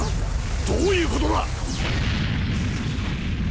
どういうことだ？